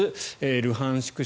ルハンシク